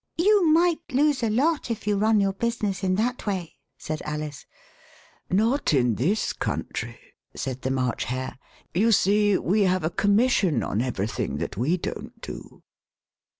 " You might lose a lot if you run your business in that way." said Alice. ^^.r^ "DWINDLE, DWINDLE, LITTLE WAK. " Not in this country," said the March Hare. " You see, we have a Commission on everything that we don't do."